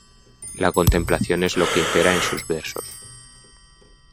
La contemplación es lo que impera en sus versos.